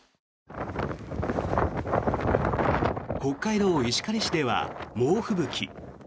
北海道石狩市では猛吹雪。